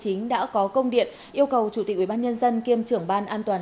chính phủ phạm minh chính đã có công điện yêu cầu chủ tịch ubnd kiêm trưởng ban an toàn